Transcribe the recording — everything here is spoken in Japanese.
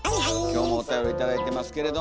今日もおたより頂いてますけれども。